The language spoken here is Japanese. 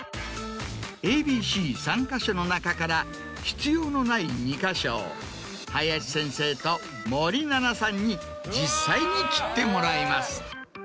ＡＢＣ３か所の中から必要のない２か所を林先生と森七菜さんに実際に切ってもらいます。